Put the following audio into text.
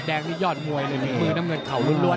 แดงนี่ยอดมวยนี่มือน้ำเงินเข่าล้วน